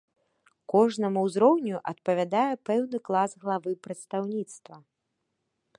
Кожнаму ўзроўню адпавядае пэўны клас главы прадстаўніцтва.